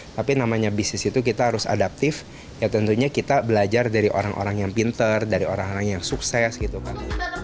tapi namanya bisnis itu kita harus adaptif ya tentunya kita belajar dari orang orang yang pinter dari orang orang yang sukses gitu kan